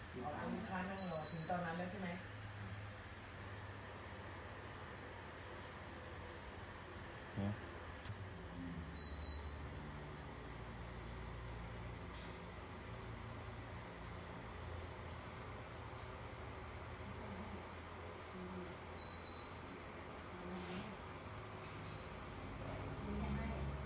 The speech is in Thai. อ๋อลูกค้านั่งรอถึงตอนนั้นแล้วใช่ไหม